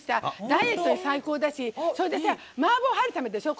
ダイエットに最高だしそれで、マーボー春雨でしょ。